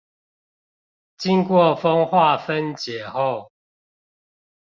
經過風化分解後